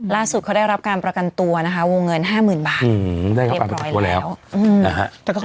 ล่าสุดเขาได้รับการประกันตัวนะคะวงเงิน๕๐๐๐๐บาท